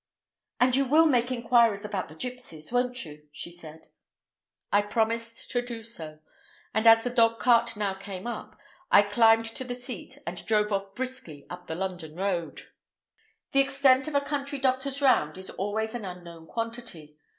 "And you will make inquiries about the gipsies, won't you?" she said. I promised to do so, and as the dogcart now came up, I climbed to the seat, and drove off briskly up the London Road. The extent of a country doctor's round is always an unknown quantity.